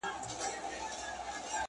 ویل راسه پر لېوه پوښتنه وکه؛